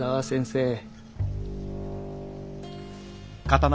先生！